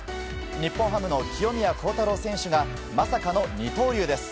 日本ハムの清宮幸太郎選手がまさかの二刀流です。